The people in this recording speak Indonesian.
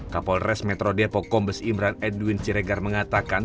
kapolres metro depok kombes imran edwin ciregar yang ditemui pada dua november mengungkapkan